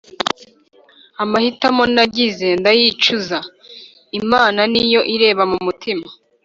amahitamo nagize ndayicuza, imana niyo ireba m’umutima